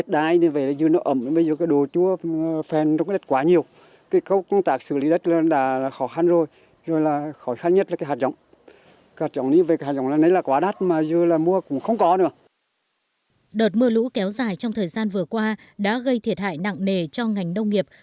đợt mưa lũ kéo dài trong thời gian vừa qua đã gây thiệt hại nặng nề cho ngành nông nghiệp